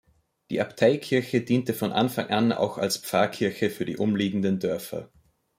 Die Abteikirche diente von Anfang an auch als Pfarrkirche für die umliegenden Dörfer.